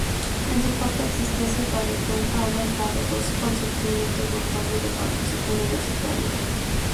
En su corta existencia, el pabellón ha albergado dos acontecimientos notorios de baloncesto universitario.